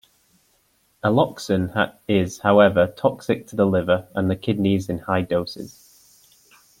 Alloxan is, however, toxic to the liver and the kidneys in high doses.